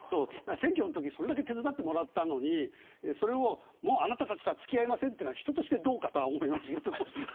選挙のときにそれだけ手伝ってもらったのにもうあなたたちとは付き合いませんというのは人として、どうかと思いますよ。